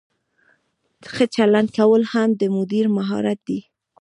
ښه چلند کول هم د مدیر مهارت دی.